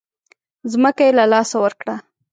ځمکه یې له لاسه ورکړه.